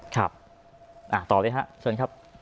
ครับอ่ะต่อไปครับเชิญครับ